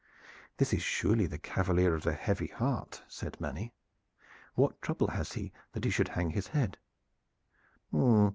"This is surely the Cavalier of the Heavy Heart," said Manny. "What trouble has he, that he should hang his head?"